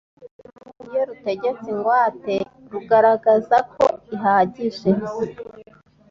Iyo rutegetse ingwate rugaragaza ko ihagije